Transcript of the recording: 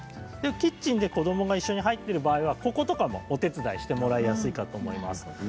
キッチンに子どもが入っているときはここもお手伝いしてもらいやすいかと思います。